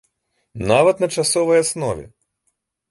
Нават на часовай аснове.